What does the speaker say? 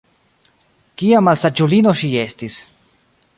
kia malsaĝulino ŝi estis!